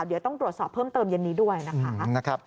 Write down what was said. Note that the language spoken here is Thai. เดี๋ยวต้องตรวจสอบเพิ่มเติมเย็นนี้ด้วยนะคะ